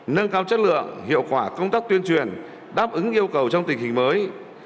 nâng cao chất lượng hiệu quả công tác tuyên truyền đáp ứng yêu cầu trong tình hình mới